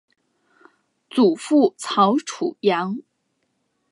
祖父曹楚阳。